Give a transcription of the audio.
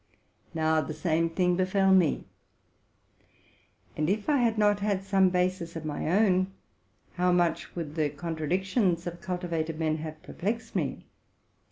Now the game thing befell me ; and, if I 156 TRUTH AND FICTION had not had some basis of my own, how much would the contradictions of cultivated men have perplexed me!